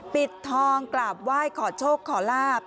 ปิดทองกราบไหว้ขอโชคขอลาบ